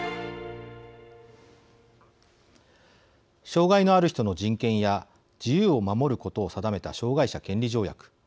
障害のある人の人権や自由を守ることを定めた障害者権利条約。